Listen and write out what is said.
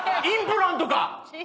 インプラントか？